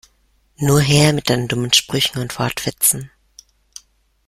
Nur her mit deinen dummen Sprüchen und Wortwitzen!